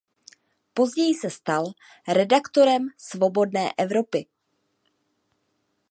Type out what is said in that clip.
Později se stal redaktorem Svobodné Evropy.